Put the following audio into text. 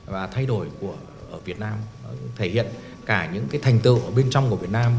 và thay đổi của việt nam thể hiện cả những cái thành tựu ở bên trong của việt nam